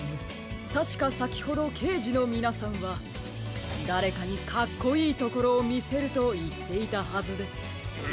たしかさきほどけいじのみなさんはだれかにかっこいいところをみせるといっていたはずです。え！？